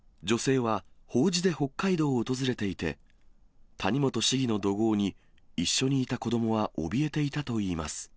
女性は法事で北海道を訪れていて、谷本市議の怒号に、一緒にいた子どもはおびえていたといいます。